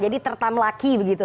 jadi tertam laki begitu